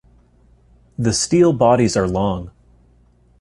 The steel bodies are long.